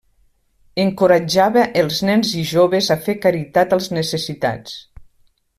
Encoratjava els nens i joves a fer caritat als necessitats.